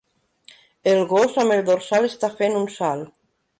El gos amb el dorsal està fent un salt